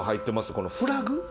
この「フラグ」。